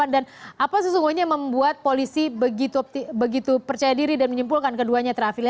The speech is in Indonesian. dan apa sesungguhnya membuat polisi begitu percaya diri dan menyimpulkan keduanya terhafili